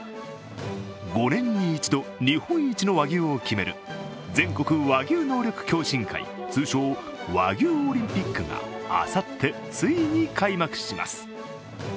５年に１度、日本一の和牛を決める全国和牛能力共進会通称、和牛オリンピックがあさってついに開幕します。